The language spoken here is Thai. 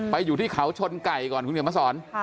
อยู่ที่เขาชนไก่ก่อนคุณเขียนมาสอน